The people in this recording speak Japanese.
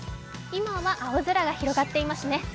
今は青空が広がっていますね。